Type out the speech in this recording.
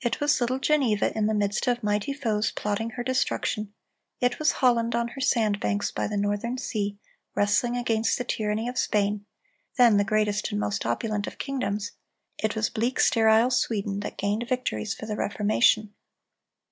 It was little Geneva in the midst of mighty foes plotting her destruction; it was Holland on her sand banks by the northern sea, wrestling against the tyranny of Spain, then the greatest and most opulent of kingdoms; it was bleak, sterile Sweden, that gained victories for the Reformation.